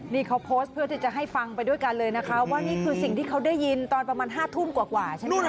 นี่เขาโพสต์เพื่อที่จะให้ฟังไปด้วยกันเลยนะคะว่านี่คือสิ่งที่เขาได้ยินตอนประมาณ๕ทุ่มกว่าใช่ไหมคะ